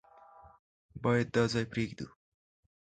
بايد دا ځای پرېږدو.